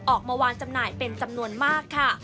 ออกมาวางจำหน่ายเป็นจำนวนมากค่ะ